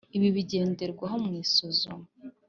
ibi bigenderwaho mu isuzuma